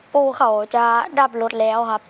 ปู่เขาจะดับรถแล้วครับ